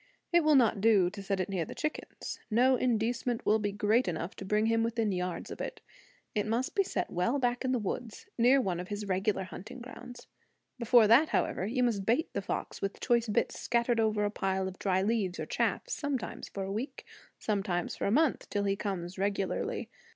It will not do to set it near the chickens; no inducement will be great enough to bring him within yards of it. It must be set well back in the woods, near one of his regular hunting grounds. Before that, however, you must bait the fox with choice bits scattered over a pile of dry leaves or chaff, sometimes for a week, sometimes for a month, till he comes regularly.